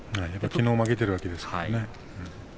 きのう負けているわけですからね。